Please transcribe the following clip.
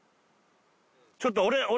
ちょっと俺俺